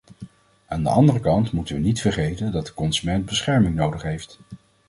Aan de andere kant moeten we niet vergeten dat de consument bescherming nodig heeft.